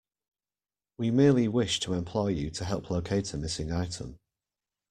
We merely wish to employ you to help locate a missing item.